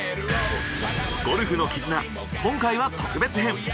『ゴルフのキズナ』今回は特別編。